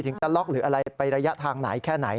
จะล็อกหรืออะไรไประยะทางไหนแค่ไหน